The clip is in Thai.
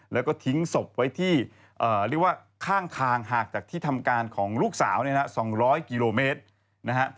แล้วก็ทิ้งศพไว้ที่เรียกว่าข้างทางห่างจากที่ทำการของลูกสาวเนี่ยนะ๒๐๐กิโลเมตรนะฮะ